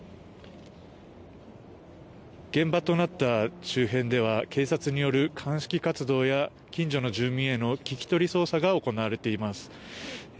現場となった周辺では警察による鑑識活動や近所の住民への聞き取り捜査が行われています。